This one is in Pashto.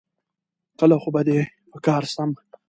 کله خو به دي په کار سم